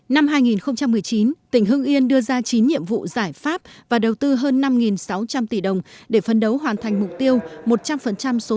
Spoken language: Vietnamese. năm hai nghìn một mươi chín tỉnh hương yên đưa ra chín nhiệm vụ giải pháp và đầu tư hơn năm sáu trăm linh tỷ đồng để phân đấu hoàn thành mục tiêu một trăm linh số sáu mươi